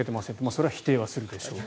それは否定はするでしょう。